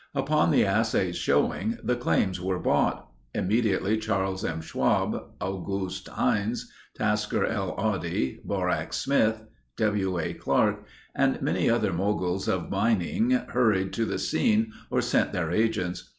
Upon the assay's showing, the claims were bought. Immediately Charles M. Schwab, August Heinze, Tasker L. Oddie, Borax Smith, W. A. Clark, and many other moguls of mining hurried to the scene or sent their agents.